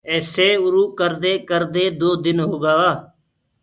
ايسي اُروُ ڪردي ڪردي دو دن هوگآ۔